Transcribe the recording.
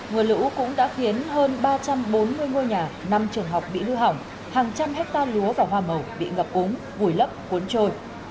mưa lũ cũng đã khiến hơn ba trăm bốn mươi ngôi nhà năm trường học bị hư hỏng hàng trăm hecta lúa và hoa màu bị ngập úng vùi lấp cuốn trôi